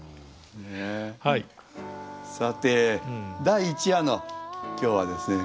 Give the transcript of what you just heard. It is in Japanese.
第１夜のきょうはですね